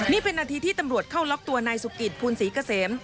นี่เป็นนาทีที่ตำรวจเข้าล็อกตัวนายสุกิตภูลศรีเกษม